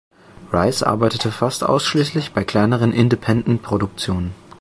Rice arbeitete fast ausschließlich bei kleineren Independent-Produktionen.